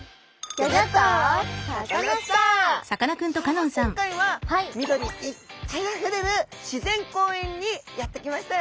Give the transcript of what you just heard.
さあ今回は緑いっぱいあふれる自然公園にやって来ましたよ！